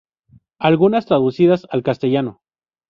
Algunas traducidas al castellano.